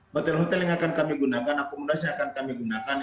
hotel hotel yang akan kami gunakan akomodasi akan kami gunakan